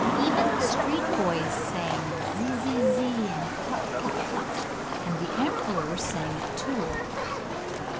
Even the street boys sang 'zizizi' and 'cluck, cluck, cluck,' and the emperor sang it too.